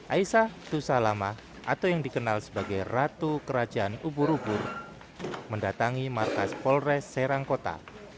aisah tusa lama atau yang dikenal sebagai ratu kerajaan ubur ubur mendatangi markas polres serangkota